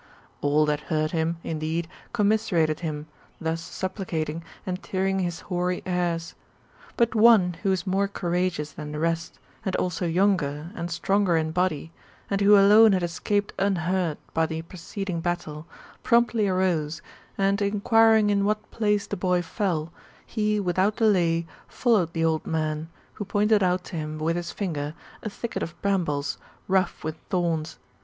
All that heard him, indeed, commiserated him, thus supplicating, and tearing his 134 THE MKTAMORPHOSIS, OR hoary bain. But one, who was more courageous than the rest, and also younger, and stronger in body* and who alone had escaped unhurt by the preceding battle, promptly arose, and inquiring in what place the boy fell, he, without delay, followed the old man, who pointed out to him, with his finger, a thicket of brambles, rough with thorns.